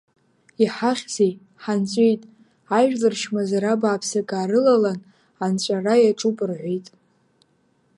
Иҳахьзеи, ҳанҵәеит, ажәлар чмазара бааԥсык аарылалан, анҵәара иаҿуп, — рҳәеит.